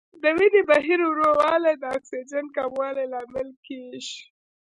د وینې بهیر ورو والی د اکسیجن کموالي لامل کېږي.